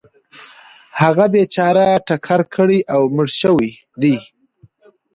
هغه بیچاره ټکر کړی او مړ شوی دی .